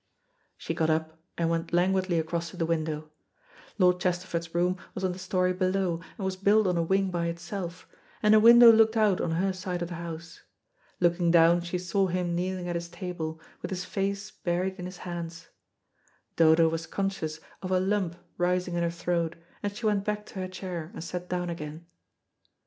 She got up and went languidly across to the window. Lord Chesterford's room was on the story below, and was built on a wing by itself, and a window looked out on her side of the house. Looking down she saw him kneeling at his table, with his face buried in his hands. Dodo was conscious of a lump rising in her throat, and she went back to her chair, and sat down again.